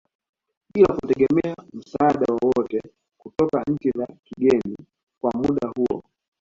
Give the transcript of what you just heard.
Bila kutegemea msaada wowote kutoka nchi za kigeni kwa muda huo